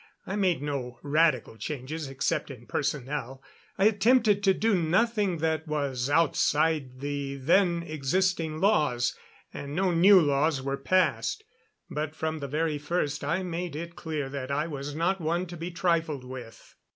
I made no radical changes except in personnel. I attempted to do nothing that was outside the then existing laws, and no new laws were passed. But from the very first I made it clear that I was not one to be trifled with.